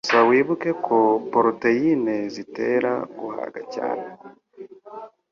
Gusa wibuke ko poroteyine zitera guhaga cyane